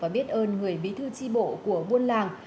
hơn người bí thư tri bộ của buôn làng